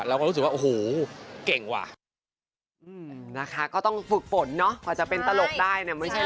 เราก็รู้สึกว่าโอ้โฮเก่งกว่า